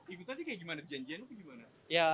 ikutan sih kayak gimana janjiannya kayak gimana